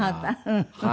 フフフ。